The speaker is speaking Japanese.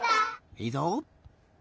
いいぞ。